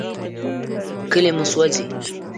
کلي مو سوځي.